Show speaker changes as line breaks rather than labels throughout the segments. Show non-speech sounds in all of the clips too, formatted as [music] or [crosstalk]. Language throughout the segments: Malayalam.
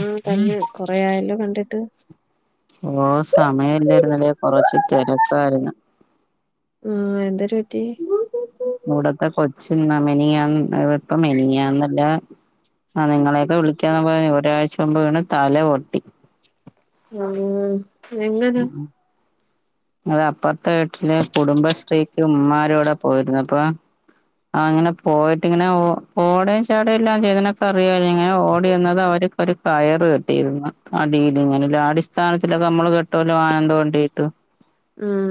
ഉം തന്നെ കൊറെ ആയല്ലോ കണ്ടിട്ട്
ഓ സമയം ഇല്ലായിരുന്നല്ലോ കൊറച്ച് തെരക്കാരുന്നു
ഉം എന്തരു പറ്റി
ഇവ്ടത്തെ കൊച്ചിന്ന് മെനിയാന്ന് ആ ഇപ്പ മെനിയാന്നല്ല ആഹ് നിങ്ങളെയൊക്കെ വിളിക്കാമ്പോയേന് ഒരാഴ്ച മുമ്പ് വീണ് തല പൊട്ടി
ആഹ് എങ്ങനാ
അത് അപ്പറത്തെ വീട്ടില് കുടുംബശ്രീക്ക് ഉമ്മാരെ കൂടെ പോയിര്ന്നപ്പൊ ആഹ് അങ്ങനെ പോയിട്ട് ഇങ്ങനെ ഓ ഓടേം ചാടേം എല്ലാം ചെയ്തതിനൊക്കെ അറിയാര്ന്ന് ഇങ്ങനെ ഓടി എന്നത് അവര് ഒരു കയറ് കെട്ടീരുന്നു അടീല് ഇങ്ങനെ ല്ലെ അടിസ്ഥാനത്തിലൊക്കെ നമ്മള് കെട് [unintelligible]
ഉം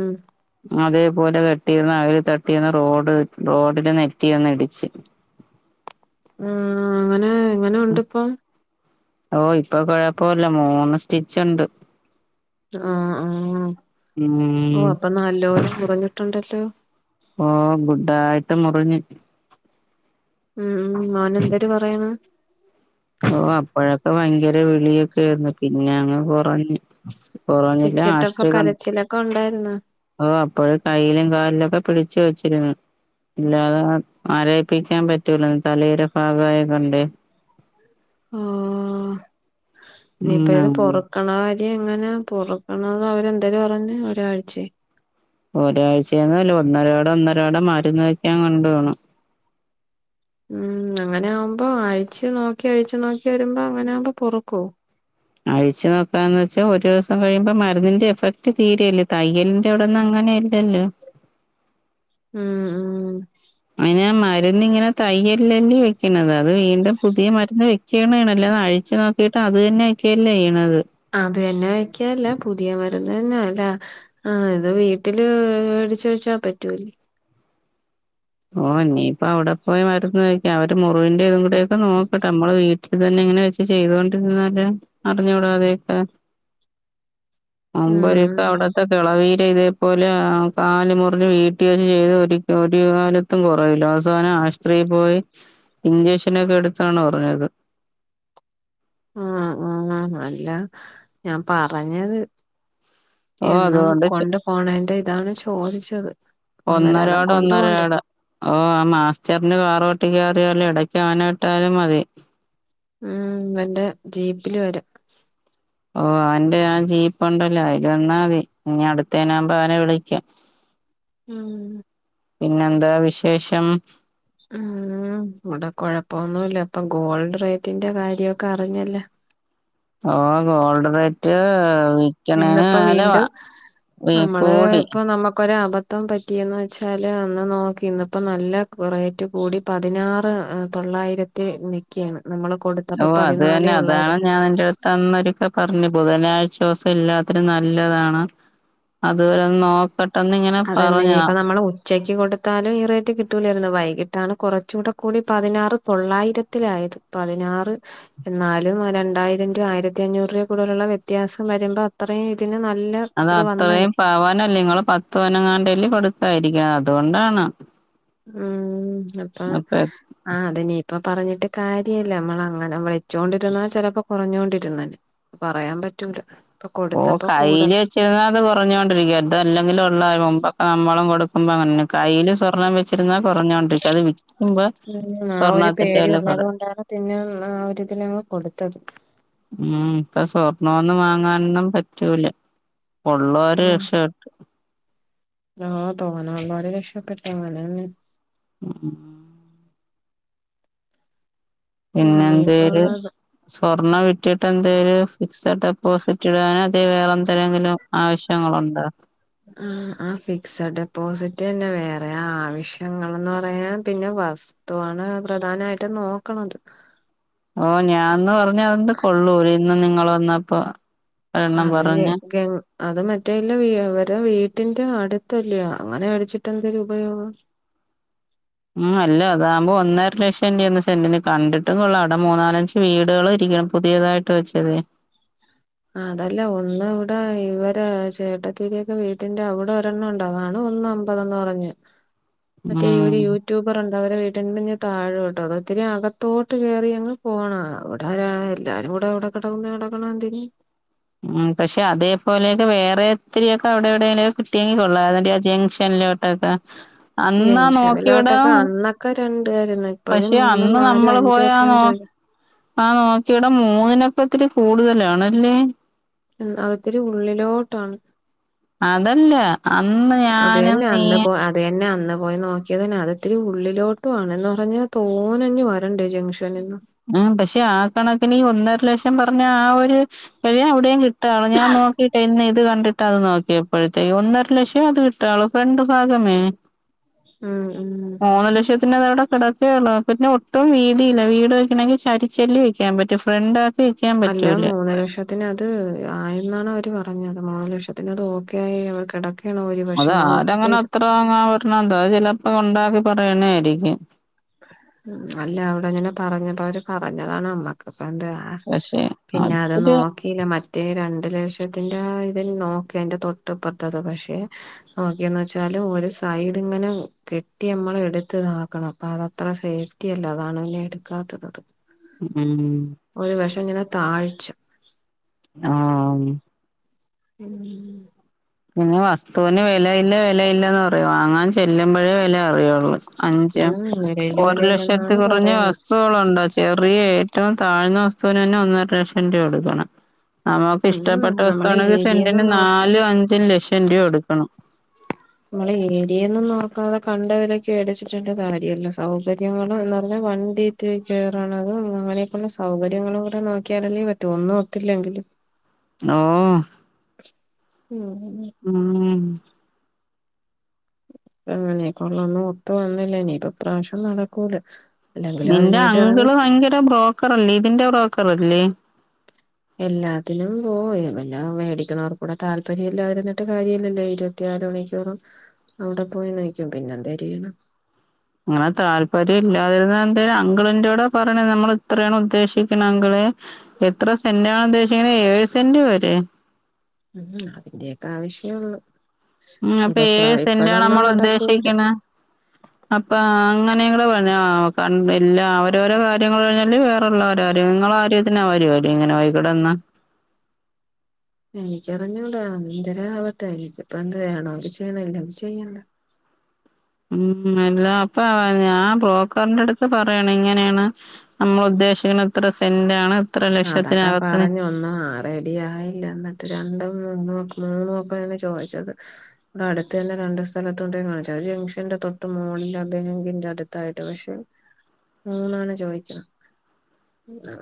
അതേപോലെ കെട്ടിര്ന്ന് അ തട്ടിന്ന് റോഡ് റോഡില് നെറ്റി ഒന്ന് ഇടിച്ച്
ആഹ് അങ്ങനെ എങ്ങനെണ്ട് ഇപ്പം
ഓ ഇപ്പൊ കൊഴപ്പോല്ല മൂന്ന് സ്റ്റിച്ച് ഉണ്ട്
ആഹ് ആഹ്
ഉം
ഓ അപ്പൊ നല്ലോരു കുറഞ്ഞിട്ടുണ്ടല്ലോ
ഓ ഗുഡായിട്ട് മുറിഞ്ഞി
ഉം ഉം മോൻ എന്തര് പറയണ്
ഓ അപ്പഴൊക്കെ ഭയങ്കര വിളിയൊക്കൊയിരുന്നു പിന്നെ അങ്ങ് കുറഞ്ഞ് കൊറോഞ്ഞില്ല [unintelligible]
ക്കെണ്ടായിര്ന്ന്
ഓ അപ്പോഴ് കൈയ്യിലും കാലിലൊക്കെ പിടിച്ചു വെച്ചിരുന്നു ഇല്ലാ ആരയിപ്പിക്കാൻ പറ്റൂല തലയുടെ ഭാഗായതോണ്ട്
ആഹ്
ഉം
ഇനിപ്പ ഏത്
അങ്ങനെ
പൊറക്ക ക്കണകാരിയ എങ്ങനെ പൊറക്കണത അവരെന്തേര് പറഞ്ഞ് ഒരാഴ്ച്ചായ്
ഒരാഴ്ചയെന്നല്ല ഒന്നരാടം ഒന്നരാടം മരുന്ന് വെക്കാൻ കൊണ്ടോവണം
ഉം അങ്ങനെ ആവുമ്പോ അഴ്ച്ചി നോക്കി അഴ്ച്ചി നോക്കി വരുമ്പോ അങ്ങനെ ആകുമ്പോ പൊറുക്കു
അഴിച്ചു നോക്കാന്ന് വെച്ചാ ഒരോ സം കഴിയുമ്പോ മരുന്നിന്റെ എഫക്ട് തീരെല്ല തയ്യൽ ഇവിടന്ന് അങ്ങനെ ഇല്ലല്ലോ
ഉം ഉം
അയ്ന് മരുന്ന്ങ്ങനെ തയ്യല്ലല്ലേ വെക്കണത് അത് വീണ്ടും പുതിയ മരുന്ന് വെക് ക്കീണണല്ലോ അ അഴിച്ചു നോക്കിയിട്ട് അത് തന്നെ ഒക്കെയല്ലേ യ്ണത്
അത് തന്നെ വെയ്ക്കല്ല പുതിയ മരുന്ന് തന്നെ ല്ലെ ആഹ് ഇത് വീട്ടില് വേടിച്ച് വെച്ചാ പറ്റൂല്ലേ
ഓ ഞ്ഞിപ്പോ അവടെ പോയി മരുന്ന് വെക്ക അവര് മുറിവിന്റെ ഇതും കൂടിയൊക്കെ നോക്കട്ടെ മ്മള് വീട് അതെന്നെ ഇങ്ങനെ വെച്ച് ചെയ്തൊണ്ടിരുന്നല്ല അറിഞ്ഞുകൂടാ അതായ്ട്ട മുമ്പൊരിക്കെ
ഉം
അവിടത്തെ കിളവീരെയിത് പോലെ അ കാല് മുറിഞ് വീട്ട് ഓലി ചെയ്ത് ഒരിക്ക ഒരു കാല ത്തും കുറയൂല്ല അവസാനം ആശ്ത്രിപോയി ഇഞ്ചക്ഷനൊക്കെ എടുത്താണ് കുറഞ്ഞത്
ആഹ് ആഹ് അ അല്ല ഞാൻ പറഞ്ഞത്
ഓ
എന്നും
അതുകൊണ്ട് ചെ
കൊണ്ട് പോണന്റെ ഇതാണ് ചോദിച്ചത് ഒന്നരാടം
ഒന്നരാട
കൊണ്ട് പോണ്ടേ
ഒന്നരാട ഓ ആ മാസ്റ്ററിന്റെ കാറോട്ടി കേ റിയാലോ ഇടക്ക് അവനെ വിട്ടാലും മതി
ഉം എന്റെ ജീപ്പില് വരും
ഓ അന്റെ ആ ജീപ്പ് ഉണ്ടല്ലോ അയ് ല് വന്നാ മതി ഇനി അടുത്തേനാവുമ്പോ അവനെ വിളിക്കാ
ഉം
പിന്നെന്താ വിശേഷം
ആ ഇവിടെ കുഴപ്പൊന്നുമല്ല അപ്പൊ ഗോൾഡ് റേറ്റിന്റെ കാര്യമൊക്കെ അറിഞ്ഞല്ലേ
ഓ ഗോൾഡ് റേ റ്റ വിക്കണേന്
ഇന്നിപ്പോ
നലവാ കൂടി
നമുക്കൊപ മൊത്തം പറ്റിയെന്ന് വെച്ചാൽ അന്ന് നോക്കി ഇന്നപ്പം നല്ല റേറ്റ് കൂടി പതിനാറ് തൊള്ളായിരത്തി റ്റി നിക്കയാണ് നമ്മള് കൊടു
ഓഹ് അതന്നെ അതാണ് ഞാൻ എറടു പട്ടന്നൊക്കെ പറഞ്ഞു ബുധനാഴ്ച ദിവസം ഇല്ലാത്തിനും നല്ലതാണ് അതുവരെ നോക്കട്ടെന്ന് ഇങ്ങനെ
അതെന്തിനി
പറഞ്ഞതാ
ഇപ്പൊ നമ്മള് ഉച്ചക്ക് കൊടുത്താലും ഈ റേറ്റ് കിട്ടില്ലായിരുന്നു വൈകിട്ടാണ് കുറച്ചുകൂടെ കൂടി പതിനാറ് തൊള്ളായിരത്തിലായത് പതിനാറ് എന്നാലും രണ്ടായിരം രൂ ആയിരത്തി അഞ്ഞൂറ് രൂപ കൂടുലുള്ള വ്യത്യാസം വരുമ്പോ അത്രയും ഇതിന് നല്ല
അത്
ഇത് വന്നന്
അത്രയും പവനല്ലങ്ങള് പത്ത് പനങ്ങാണ്ടല്ലല് കൊടുക്കായിരിക്കണം അതുകൊണ്ടാണ്
ഉം അപ്പാ
അപ്പ
ആഹ് അതെ നീ ഇപ്പ പറഞ്ഞിട്ട് കാര്യമല്ലേ നമ്മള അങ്ങനെ നമ്മ വെച്ചുകൊണ്ടിരുന്ന ചിലപ്പോ കുറഞ്ഞോൊണ്ടിരുന്ന പറയാൻ പറ്റൂല ഇപ്പൊ
ഓ
കൊടുത്തപ്പോ
കയ്യില്
കൂടണം
ചിരുന്ന അത് കുറഞ്ഞുക കൊണ്ടിരിക്കും അത അല്ലെങ്കിലും ഉള്ള മുമ്പൊക്കെ നമ്മളും കൊടുക്കുമ്പോ അങ്ങനെ കയ്ൽ സ്വർണ്ണം വച്ചിരുന്ന കുറഞ്ഞോണ്ടിരിക്ക അത് വിൽക്കുമ്പോ
ഉം ആ ഒരു
സ്വർണ്ണത്തിന്റെ
പേടി ഉള്ളത്
വല്ല
കൊണ്ടാണ് പിന്നെ ആരി ഇതിൽ ഞങ്ങൾ കൊടുത്തത്
ഉം ഇപ്പ സ്വർണൊന്നും വാങ്ങാനൊന്നും പറ്റൂല പള്ളവര്
ഉം
രക്ഷപ്പെട്ട
ആഹ് തോന്ന വരെ രക്ഷപ്പെട്ട അവനെ
ഉ പിന്നെ
അങ്ങനെയൊക്കെ
എന്തര്
ഉള്ളത്
സ്വർണ്ണ വി കിട്ട് എന്ത ഒരു ഫിക്സ്ഡ് ഡെപ്പോസിറ്റ് ഇടൻ അതി വേറെ എന്തെെങ്കിലും ആവശ്യങ്ങളുണ്ട
ആഹ് ആ ഫിക്സ്ഡ് ഡെപ്പോസിറ്റ് തന്നെ വേറെ ആവശ്യങ്ങൾന്ന് പറയാൻ പിന്നെ എണ് പ്രധാനമായിട്ട് നോക്കണത്
ഓ ഞാാനന്ന് പറഞ്ഞ അതന്ത് കൊള്ളൂര് ഇന്ന് നിങ്ങ വന്നപ്പ
അതെ [unintelligible] അത് മറ്റേല്ല വരെ വീട്ടിന്റെ അടുത്തല്ലയോ അങ്ങനെ മേടിച്ചിട്ട് എന്തേങ്കിലും ഉപയോഗം
ഉം അല്ല അതാകുമ്പോ ഒന്നര ലക്ഷംന്റെന്നന്ന് സെന്റിന് കണ്ടിട്ടും കൊള്ള അവിടെ മൂന്നാലം വീടുകൾ ഇരിക്കണം പുതിയതായിട്ട് വെച്ചത്
അതല്ലേ ഒന്ന് ഇവിടെ ഇവര് ചേട്ടത്തിീരിൊക്കെ വീട്ടിന്റെ അവിടെ ഒരെണ്ണം ഉണ്ട അതാണ് ഒന്ന് തന്ന് പറഞ്ഞഞ് മറ്റേ ഈ
ഉം
ഒരു യ യൂട്യൂബർുണ്ട് അവരെ വീട്ടന് പിിന്നെ താഴു കേട്ടോ അത ഒത്തിരി അകത്തോട്ട് കയറി ങ്ങ് പോകണംവിടെ എ എല്ലാരും കൂടെ എവിടെ കിടുന്ന കിടക്കണ എന്തിന്
ഉം പക്ഷെ അേപോലെയൊക്കെ വേറെ എത്രരിൊക്കെ അവിടെ എവിടെയേങ്കൊക്കെ കിട്ടിയെങ്കിൽ കൊള്ളാം അതിറെ ആ ജംഗ്ഷനിലോട്ട് ക്കെ അന്നാ നോക്കിട
ഒക്കെ രണ്ട കരം
പക്ഷെ അന്ന് നമ്മള് പോയാ നോ ആ നോക്കിട മൂന്നിനൊക്ക ഒത്തിരി കൂടുതലാണല്ലേ
ഉം അതൊത്തിരു ഉള്ളിലോട്ടാണ്
അതല്ല അന്ന് ഞാനും നീ
അതന്നെ അന്ന് പോയി നോക്കിയത്ന്നെ അതോത്തിരി ഉള്ളിലോട്ടു ആണെന്ന് പറഞ്ഞ തോന്നഞ്ഞഞ് വരണ്ടേ ജംഗ്ഷനിൽന്ന്
ഉം പക്ഷെ ആ കണക്കിന് ഒന്നര ലക്ഷം പറഞ്ഞ ആ ഒരു കഴിയ അവിടെയും കിട്ടും ാണ് ഞാൻ നോക്കിട്ട ഇത് കിട്ട് അത് നോക്കിയപ്പോഴത്തേക്ക് ഒന്നര ലക്ഷം അത് കിട്ടുള്ളു രണ്ട് ഭാഗമേ
ഉം ഉം
മൂന്നു ലക്ഷത്തിന്ത അവിടെ കിടക്കള്ളു പിന്നെ ഒട്ടും വീതിയില്ല വീട് എന്തെങ്കിലും ചരിച്ചെല്ലെ വെയ്ക്കാൻ പറ്റും ഫ്രണ്ടാക്കി വെക്കാൻ പറ്റൂല.
ത്തിനത് ആയെന്നാണ് അവര് പറഞ്ഞത് മൂന്ന് ലക്ഷത്തിനത് ഓക്കൊയി അവ കെടക്.
അത് ആരങ്ങനെ അത്ര അങ്ങ് പറിഞ്ഞെന്താ അഹ് ചെലപ്പോ ഒ ണ്ടാക്കി പറയ്ണാരിക്കും.
ഉം അല്ല അവിടങ്ങനെ പറഞ്ഞപ്പ അവര് പറഞ്ഞതാണ് അമ്മക്ക് ഇപ്പ എന്താ. ആഹ്
പക്ഷെ
പിന്നെ അത് നോ
അതിത്തിരി
ക്കീല മറ്റേ രണ്ട് ലക്ഷത്തിന്റെ ഇതിൽ നോക്കി അതിന്റെ തൊട്ടപ്പറ ത്തത് പക്ഷെ. ഓക്കെന്ന് വെച്ചാല് ഒരു സൈഡ് ഇങ്ങനെ കെട്ടി അമ്മള് എടുത്ത്താക്കണം. അപ്പൊ അതത്ര സേഫ്റ്റി അല്ല അതാണ് പിന്നെ എടുക്കാത്തത് അത്
ഉം.
ഒരു വശം ഇങ്ങനെ താഴ്ച്ച
ആ ഹ്മ്.
ഉം.
പിന്നെ വസ്ത്തൂന് വെലയില്ല വെലയില്ലന്ന് പറയും വാങ്ങാൻ ചെല്ലുമ്പഴേ വെല അറിയുള്ളൂ. ഉം അഞ്ച്
ഉം നിലയിലെ
ഒരു ലക്ഷത്തി
വിലയില്ലെന്നാണ്
കൊറഞ്ഞ
പറയണത്
വസ്തു അവ്ടെണ്ടോച്ച്. ചെറിയ ഏറ്റവും താഴ്ന്ന വസ്തുവിനെന്നെ ഒന്നര ലക്ഷം രൂപ കൊടുക്കണം. നമുക്ക്
ഉം
ഇഷ്ട്ടപ്പെട്ട
നമ്മളെ
വസ്തുവാണെങ്കി
ഏരിയന്ന്
സെന്റിന്
നോക്ക
നാലും അഞ്ചും ലക്ഷം രൂപ കൊടുക്കണം.
നമ്മള് ഏരിയേന്നും നോക്കാതെ കണ്ടതിലൊക്കെ മേടിച്ചിട്ടുള്ള കാര്യല്ല സൗകര്യങ്ങള് എന്ന്പർഞ്ഞാ വണ്ടി. കെ കേറണത് അങ്ങനെയൊക്കെയുള്ള സൗകര്യങ്ങളൂടെ നോക്കിയാലല്ലേ പറ്റൂ ഒന്നും ഒത്തില്ലെങ്കിലും
ഓഹ്.
ഉം.
ഉം
അങ്ങനേ കൊള്ളൊന്ന് ഒത്തു വന്നില്ലെനീ ഇപ്പൊ ഇപ്രാവ്ശ്യം നടക്കൂല. അല്ലെങ്കിലും
നിന്റെ
അതിനായിട്ട് ഇറങ്ങി
അങ്കിള് ഭയങ്കര ബ്രോക്കറല്ലേ ഇതിന്റെ ബ്രോക്കറല്ലേ?
എല്ലാത്തിലും പോവും പിന്നെ മേടിക്ക്ണോർക്കൂടെ താല്പര്യം ഇല്ലാതിരുന്നിട്ട് കാര്യല്ലല്ലോ ഇരു വത്ത്യാലു മണിക്കൂറും അവ്ടെ പോയി നിക്കും പിന്നെ എന്തെ രെയ്യണം.
അങ്ങനെ താല്പര്യം ഇല്ലാതിരുന്ന എന്തേര് അങ്കിളിന്റോടെ പറയണ നമ്മൾ ഇത്രയാണ് ഉദ്ദേശിക്ക്ണെ അങ്കിളെ എത്ര സെന്റാണ് ഉദ്ദേശിക്കുന്നത് ഏഴ് സെന്റ് വരെ.
ഉം അതിന്റെയൊക്കെ ആവശ്യേ ള്ളു.
ഹ്മ് അപ്പൊ ഏഴ് സെന്റാണ് നമ്മള്
നടക്കൂല
ഉദ്ദേശിക്കണെ അപ്പ ആങ്ങനെ കൂടെ പറഞ്ഞ് ആ കണ്ട്ല്ല അവരോരോ കാര്യങ്ങൾ [unintelligible] വേറൊള്ളോരാര്യം നിങ്ങളാര്യ ത്തിനവര് വര്യോ ഇങ്ങനെ പോയി കിടന്നാ.
എനിക്കറിഞ്ഞൂടാ എന്തെരാ ആവട്ടെ എനിക്കിപ്പ എന്ത് വേണോങ്കി ചെയ്യണം ഇല്ലെങ്കി ചെയ്യണ്ട.
ഉം എല്ല അപ്പൊ ഞാൻ ബ്രോ ക്കറിന്റെ അടുത്ത് പറയണം ഇങ്ങനേണ്. നമ്മൾ ഉദ്ദേശിക്ക്ണെ ഇത്ര സെന്റാണ്. ഇത്ര
അതക്ക
ലക്ഷത്തിനകത്ത് നി
പറഞ്ഞ് ഒന്നും ആ റെഡിയായില്ല എന്നിട്ട് രണ്ടും മൂന്നൊക്ക മൂന്നുക്കാണ് ചോദിച്ചത്. ഇവ്ടെ അടുത്തെന്നെ രണ്ടു സ്ഥലത്തുണ്ടോയ് കാണിച്ച് അത് ജംഗ്ഷന്റെ തൊട്ട് മോള്ൽ [unintelligible] അടു. ത്തായിട്ട് പക്ഷെ മൂന്നാണ് ചോയ്ക്ക്ണ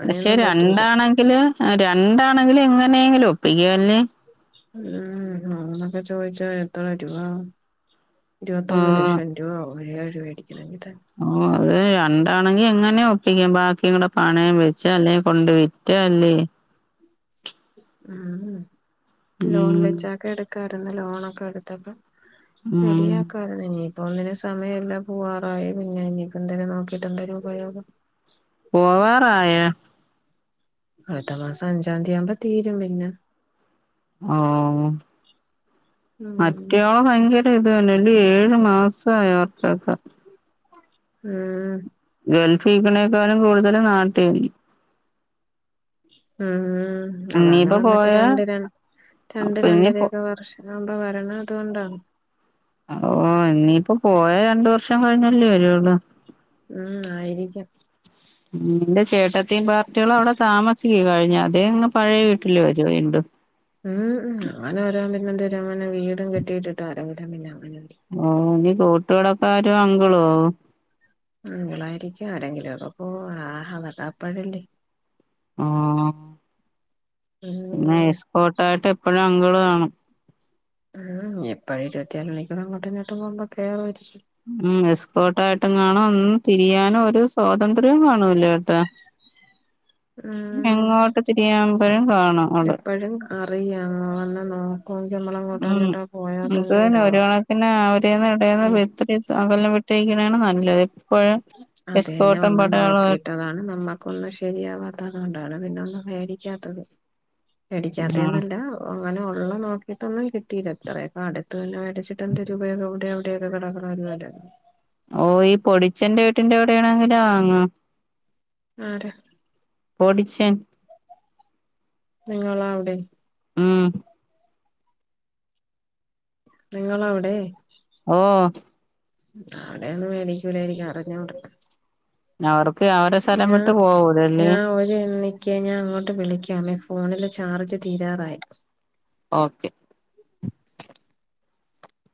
പക്ഷെ രണ്ടാണെങ്കില് രണ്ടാണെങ്കില് എങ്ങനെയെങ്കിലും ഒപ്പിക്കാല്ലേ.
ഉം മൂന്നൊക്കെ ചോയ്ച്ച എത്രരൂവാഹ്. ഇരുവത്തൊന്ന്
ആഹ്
ലക്ഷം രുവ ആവും ഒരേഴ്മേടിക്കണേങ്കി തന്നെ.
ഓ അത് രണ്ടാണെങ്കി എങ്ങനെ ഒപ്പിക്കാം ബാക്കിങ്കുടെ പണയം വെച്ച് അല്ലെ കൊണ്ട് വിറ്റ് അല്ലേ.
ഉം ലോൺ
ഉം
വെച്ചക്കെ എടുക്കാര്ന്നു ലോണൊക്കെ എടുത്തപ്പൊ.
ഉം
ശെരിയാക്ക. ആ ഇനിയിപ്പൊ ഒന്നിനും സമയില്ല പോവാറായി പിന്നെ ഇനിയിപ്പൊന്തിന് നോക്കിട്ട് എന്തര് ഉപയോഗം.
പോവാറായാ.
അടുത്ത മാസം അഞ്ചാംതിയാവുമ്പ തീരും പിന്ന
ഓഹ്
ഉം
മറ്റൊ ബൈങ്കര്. ഇത്‌ തന്നെയാ ഏഴ് മാസായി അവർക്കൊക്കെ.
ആഹ്
ഗൾഫി നിക്കണേക്കാളും കൂടുതലും നാട്ടി-
ഉം അതാണ്
ഇനിയിപ്പോ
വന്നിട്ട്
പോയാ
രണ്ട് ര രണ്ട് രണ്ട്
പിന്നെ പോ
രണ്ടരയൊക്കെ വർഷ- ആ ഇപ്പ വരണം അതുകൊണ്ടാണ്
ഓ ഇനിയിപ്പോ പോയ രണ്ടു വർഷം കഴിഞ്ഞല്ലേ വരള്ളു
ഉം ആയിരിക്കും
നിന്റെ ചേട്ടത്തിയും പാർട്ടികളും അവിടെ താമസിക്ക കഴിഞ്ഞ അതേയങ്ങ് പഴയ വീട്ടില വരുവോ വീണ്ടും
ഉം അങ്ങനെ വരാൻ പിന്നെ എന്ത വരും അങ്ങനെ വീടും കെട്ടിയിട്ട് ആരാ വരാൻ പിന്നെ അങ്ങനെ-
ഓ ഇനി കൂട്ടുകെടക്കാരോ അങ്കിളോ
അങ്കിൾ ആയിരിക്കും ആരെങ്കിലും ഒക്കെ പോകും അഹാ ആതൊക്കെ അപ്പഴല്ലേ
ആഹ് പിന്നെ
ഉം
എസ്കോട്ട് ആയിട്ട് എപ്പഴും അങ്കിള് വേണം
ഉം എപ്പോഴും ഇരുപത്തി നാല് മണിക്കൂറും അങ്ങോട്ടും ഇങ്ങോട്ടും പോകുമ്പോ കേറുമായിരിക്കും
ഉം എസ്കോട്ട് ആയിട്ട് എങ്ങാണും ഒന്ന് തിരിയാനും ഒരു സ്വാതന്ത്ര്യം കാണൂല കേട്ടോ
[inaudible]
എങ്ങോട്ട് തിരിയുമ്പോഴും കാണും അവിടെ
അറിയാനോ വന്ന് നോ- കമ്മള [unintelligible]
ഉം ഇത് തന്നെ ഒരു കണക്കിന് അവരിന്ന് ഇവിടെന്ന്
ഉം
[unintelligible] അകലം വിട്ടുനിക്കണയാണ് നല്ലത്- എപ്പോഴും
അതെ തന്നെ
എസ്കോട്ടും
ഒന്ന്
പടയാളുമായിട്ട്
നോക്കിട്ടതാണ് നമ്മൾ- ഒന്നും ശരിയാവാത്തത് അതുകൊണ്ടാണ് പിന്നെ ഒന്നും മേടിക്കാത്തത്
ഉം
മേടിക്കാത്തെന്ന് അല്ല അ അങ്ങനെ ഉള്ളെ നോക്കിട്ട് ഒന്നും കിട്ടിയില്ല ഇത്രയും അങ്ങ് അടുത്ത് തന്നെ മേടിച്ചിട്ട് എന്തര് ഉപയോഗം എവിടെ ആ - കിടക്കണ [unintelligible] അല്ല
ഓ ഈ പൊടിച്ചന്റെ വീട്ടിന്റെ അ വിടെയാണെങ്കിലോ വാങ്ങുവോ
ആര?
പൊടിച്ചൻ
നിങ്ങളാ അവിടെ
ഉം
നിങ്ങളവിടെ
ഓഹ്
അവിടെയൊന്നും മേടിക്കലായിരിക്കും അറിഞ്ഞു കൂടാ
അവർക്ക് [unintelligible]
ഞാ
വിട്ട് പോവൂലല്ലേ
ഞാൻ ഒരു എണ- നിക്കേ ഞാൻ അങ്ങോട്ട് വിളിക്കാമേ ഫോണില് ചാർജ് തീരാറായി
ഓക്കെ